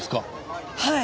はい。